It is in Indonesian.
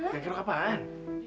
biang kerok kapan